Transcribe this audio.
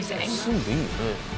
住んでいいんだね。